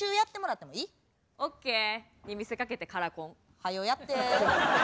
ＯＫに見せかけてカラコン。はよやって。